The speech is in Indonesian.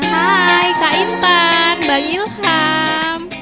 hai kak intan bang ilham